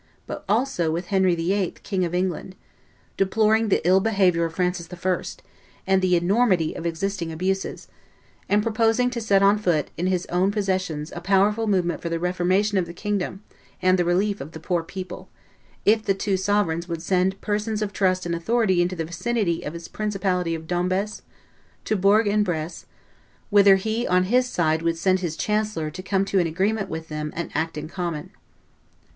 but also with Henry VIII., King of England, deploring the ill behavior of Francis I. and the enormity of existing abuses, and proposing to set on foot in his own possessions a powerful movement for the reformation of the kingdom and the relief of the poor people, if the two sovereigns would send "persons of trust and authority into the vicinity of his principality of Dombes, to Bourg en Bresse, whither he on his side would send his chancellor to come to an agreement with them and act in common."